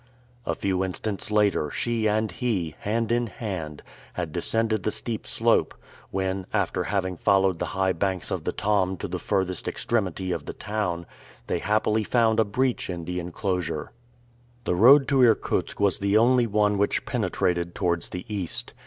A few instants later, she and he, hand in hand, had descended the steep slope, when, after having followed the high banks of the Tom to the furthest extremity of the town, they happily found a breach in the inclosure. The road to Irkutsk was the only one which penetrated towards the east.